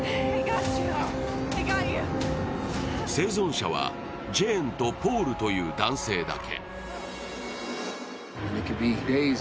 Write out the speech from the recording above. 生存者はジェーンとポールという男性だけ。